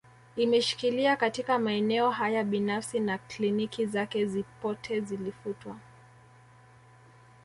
Imeshikilia katika maeneo haya binafsi na kliniki zake zpote zilifutwa